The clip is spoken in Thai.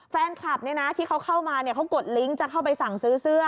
แฟนคลับที่เขาเข้ามาเขากดลิงก์จะเข้าไปสั่งซื้อเสื้อ